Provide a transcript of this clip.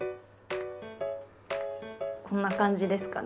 こんな感じですかね？